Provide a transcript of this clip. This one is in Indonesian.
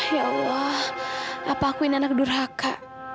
ya allah apa aku ini anak durhaka